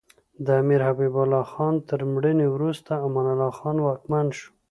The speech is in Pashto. د امیر حبیب الله خان تر مړینې وروسته امان الله خان واکمن شو.